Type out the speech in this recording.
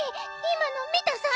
今の見たさ？